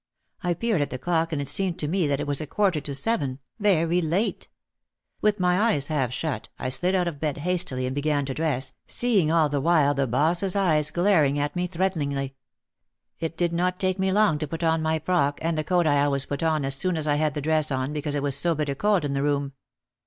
I peered at the clock and it seemed to me that it was a quarter to seven, very late. With my eyes half shut I slid out of bed hastily and began to dress, seeing all the while the boss's eyes glaring at me threateningly. It did not take me long to put on my frock, and the coat I always put on as soon as I had the dress on because it was so bitter cold in the room.